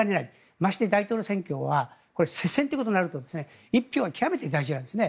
まして大統領選挙は接戦ということになると１票が極めて大事なんですね。